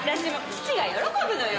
父が喜ぶのよ。